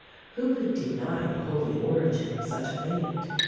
Who could deny the holy origin of such a Maid?